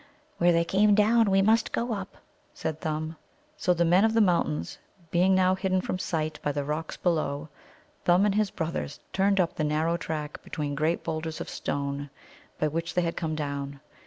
"Where they came down, we can go up," said Thumb. So, the Men of the Mountains being now hidden from sight by the rocks below, Thumb and his brothers turned up the narrow track between great boulders of stone, by which they had come down.